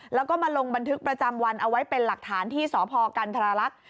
แล้วก็มาลงบันทึกประจำวันเอาไว้เป็นหลักฐานที่สพกันธรรลักษณ์